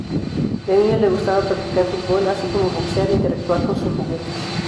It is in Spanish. De niño le gustaba practicar fútbol, así como boxear e interactuar con sus juguetes.